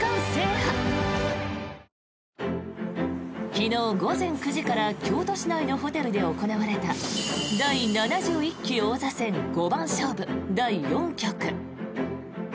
昨日午前９時から京都市内のホテルで行われた第７１期王座戦五番勝負第４局。